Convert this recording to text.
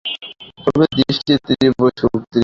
তার দৃষ্টি তীব্র ও তীক্ষ্ণ।